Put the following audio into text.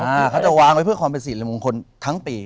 เขาจะวางไว้เพื่อความเป็นสิริมงคลทั้งปี